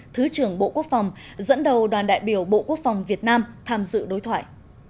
thứ trưởng bộ quốc phòng dẫn đầu đoàn đại biểu bộ quốc phòng việt nam tham dự đối thoại